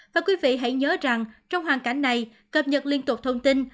và quý vị hãy nhớ rằng trong hoàn cảnh này cập nhật liên tục thông tin